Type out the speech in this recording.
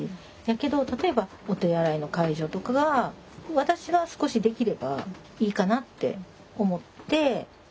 やけど例えばお手洗いの介助とかが私が少しできればいいかなって思って。